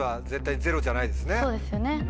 そうですよね。